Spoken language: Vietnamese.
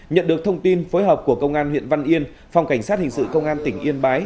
nhận được thông tin phối hợp của công an huyện văn yên phòng cảnh sát hình sự công an tỉnh yên bái